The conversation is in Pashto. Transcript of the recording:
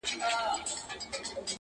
په کومه ورځ چي مي ستا پښو ته سجده وکړله”